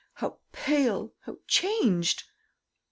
how pale, how changed!"